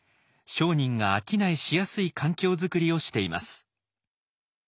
商人が商いしやすい環境づくりをしています。